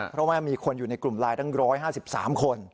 เพราะว่ามีคนอยู่ในกลุ่มไลน์ตั้ง๑๕๓คน